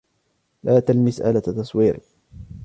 لا تلمس آلة تصويري.